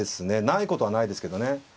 ないことはないですけどね。